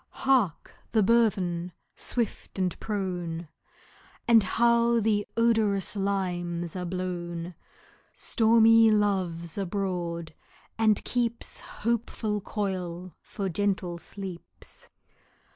Hark! the burthen, swift and prone! And how the odorous limes are blown! Stormy Love's abroad, and keeps Hopeful coil for gentle sleeps.